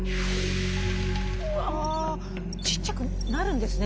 うわちっちゃくなるんですね